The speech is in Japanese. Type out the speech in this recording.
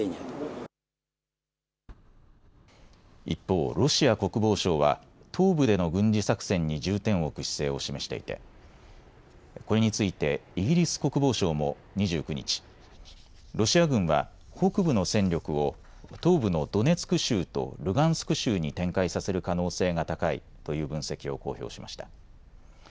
一方、ロシア国防省は東部での軍事作戦に重点を置く姿勢を示していてこれについてイギリス国防省も２９日、ロシア軍は北部の戦力を東部のドネツク州とルガンスク州に展開させる可能性が高いという分析を公表しました。